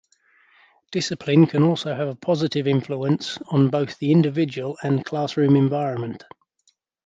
Discipline can also have a positive influence on both the individual and classroom environment.